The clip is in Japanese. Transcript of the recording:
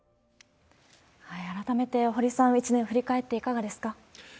改めて堀さん、一年振り返っていかがですか？